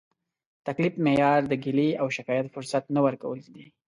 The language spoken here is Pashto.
د تکلیف معیار د ګیلې او شکایت فرصت نه ورکول دي.